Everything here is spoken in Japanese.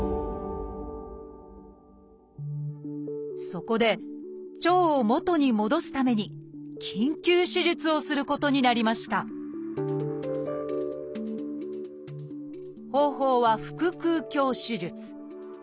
そこで腸を元に戻すために緊急手術をすることになりました方法は腹腔鏡手術。